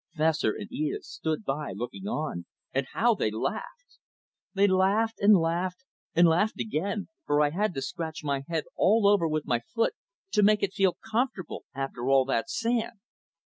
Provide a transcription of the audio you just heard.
Fessor and Edith stood by looking on, and how they laughed! They laughed, and laughed, and laughed again, for I had to scratch my head all over with my foot to make it feel comfortable after all that sand.